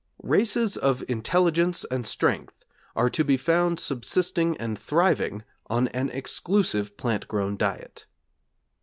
Races of intelligence and strength are to be found subsisting and thriving on an exclusive plant grown diet.